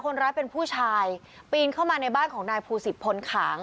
คนร้ายเป็นผู้ชายปีนเข้ามาในบ้านของนายภูสิตพลขาง